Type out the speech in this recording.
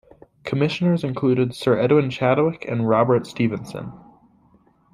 Commissioners included Sir Edwin Chadwick and Robert Stephenson.